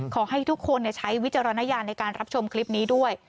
ขอให้ทุกคนใช้วิจารณญาณในการรับชมคลิปนี้ด้วย